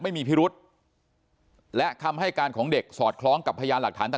ไม่มีพิรุษและคำให้การของเด็กสอดคล้องกับพยานหลักฐานต่าง